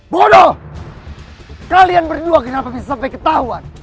bodoh kalian berdua kenapa bisa sampai ketahuan